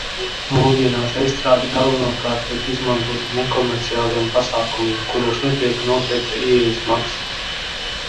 Mūsdienās estrāde galvenokārt tiek izmantota nekomerciāliem pasākumiem, kuros netiek noteikta ieejas maksa.